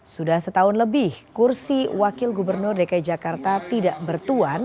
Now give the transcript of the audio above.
sudah setahun lebih kursi wakil gubernur dki jakarta tidak bertuan